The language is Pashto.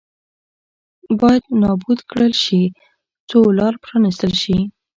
باید نابود کړل شي څو لار پرانېستل شي.